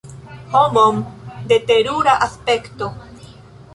Homon de terura aspekto!